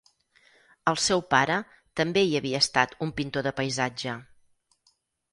El seu pare també hi havia estat un pintor de paisatge.